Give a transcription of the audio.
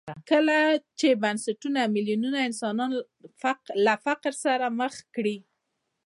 کله چې بنسټونه میلیونونه انسانان له فقر سره مخ کړي.